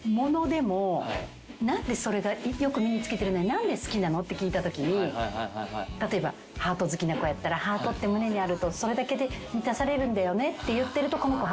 何で好きなの？って聞いたときに例えばハート好きな子やったらハートって胸にあるとそれだけで満たされるんだよねって言ってると。